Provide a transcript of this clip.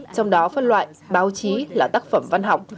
trong đó phân loại báo chí là tác phẩm văn học